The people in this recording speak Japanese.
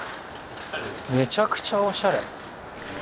めちゃくちゃおしゃれ。